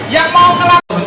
yang mau ke lantai